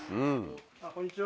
こんにちは。